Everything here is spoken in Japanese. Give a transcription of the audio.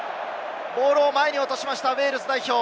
ボールを前に落としました、ウェールズ代表。